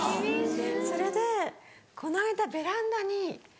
それでこの間ベランダにオリーブ。